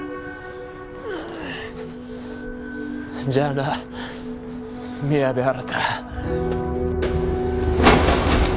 じゃあな宮部新。